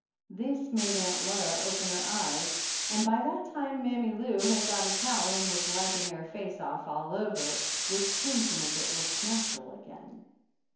This made Aunt Laura open her eyes, and by that time Mammy Lou had got a towel and was wiping her face off all over, which seemed to make it look natural again.